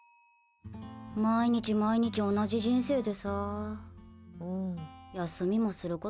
毎日、毎日同じ人生でさ休みもすることなくてさ。